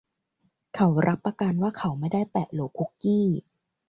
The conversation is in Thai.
เขารับประกันว่าเขาไม่ได้แตะโหลคุกกี้